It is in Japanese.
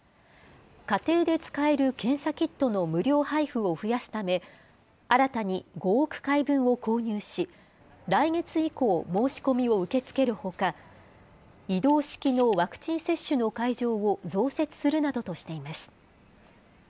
家庭で使える検査キットの無料配布を増やすため、新たに５億回分を購入し、来月以降、申し込みを受け付けるほか、移動式のワクチン接種の会場を増設するなどとしています。